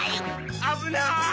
・あぶない！